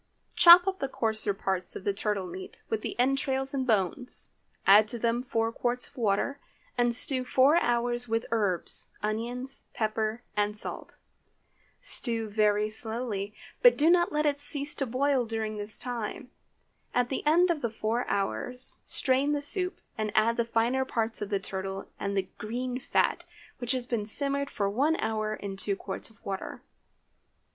Chop up the coarser parts of the turtle meat, with the entrails and bones. Add to them four quarts of water, and stew four hours with the herbs, onions, pepper, and salt. Stew very slowly, but do not let it cease to boil during this time. At the end of four hours strain the soup, and add the finer parts of the turtle and the green fat, which has been simmered for one hour in two quarts of water.